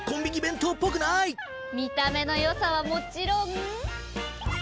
見た目の良さはもちろん。